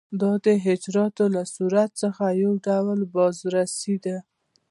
دا د اجرااتو له صورت څخه یو ډول بازرسي ده.